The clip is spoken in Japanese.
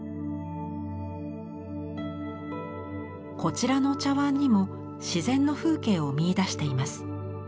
こちらの茶碗にも自然の風景を見いだしています。